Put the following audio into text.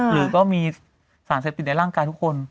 หรือก็มีสารเสพติดในร่างกายทุกคน